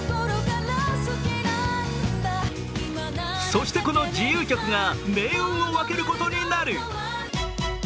そして、この自由曲が命運を分けることになる。